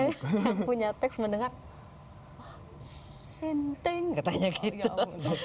yang punya teks mendengar wah senteng katanya gitu